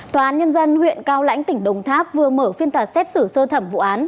tòa án nhân dân huyện cao lãnh tỉnh đồng tháp vừa mở phiên tòa xét xử sơ thẩm vụ án